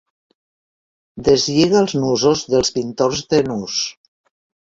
Deslliga els nusos dels pintors de nus.